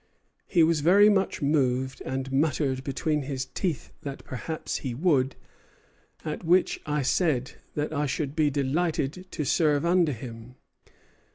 He was very much moved, and muttered between his teeth that perhaps he would; at which I said that I should be delighted to serve under him.